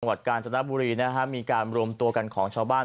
จังหวัดกาลจนบุรีมีการรวมตัวกันของชาวบ้าน